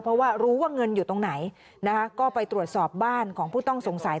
เพราะว่ารู้ว่าเงินอยู่ตรงไหนนะคะก็ไปตรวจสอบบ้านของผู้ต้องสงสัย